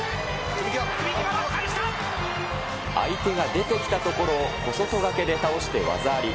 相手が出てきたところを、小外掛けで倒して技あり。